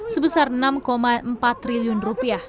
sebesar enam empat triliun rupiah